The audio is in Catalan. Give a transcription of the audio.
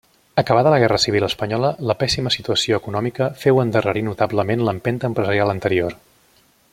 Acabada la guerra civil espanyola, la pèssima situació econòmica féu endarrerir notablement l'empenta empresarial anterior.